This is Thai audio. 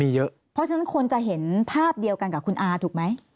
ที่เดียวกันกับคุณอาถูกไหม